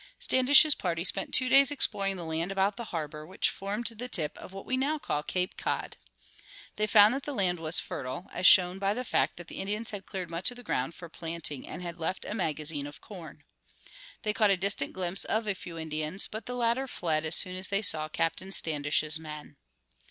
Standish's party spent two days exploring the land about the harbor, which formed the tip of what we now call Cape Cod. They found that the land was fertile, as was shown by the fact that the Indians had cleared much of the ground for planting and had left a magazine of corn. They caught a distant glimpse of a few Indians, but the latter fled as soon as they saw Captain Standish's men.